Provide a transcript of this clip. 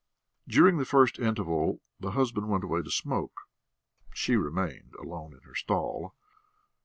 During the first interval the husband went away to smoke; she remained alone in her stall.